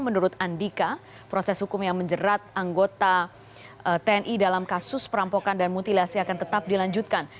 menurut andika proses hukum yang menjerat anggota tni dalam kasus perampokan dan mutilasi akan tetap dilanjutkan